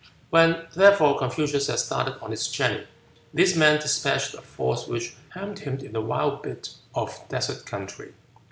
When, therefore, Confucius had started on his journey, these men despatched a force which hemmed him in a wild bit of desert country.